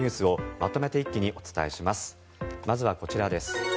まずはこちらです。